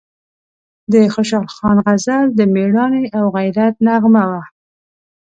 د خوشحال خان غزل د میړانې او غیرت نغمه وه،